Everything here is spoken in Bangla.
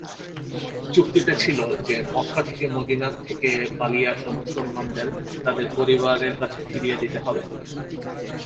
চুক্তিতে ছিলো, যে মক্কা থেকে মদিনা থেকে পালিয়ে আসা মুসলমানদের তাদের পরিবারের কাছে ফিরিয়ে দিতে হবে।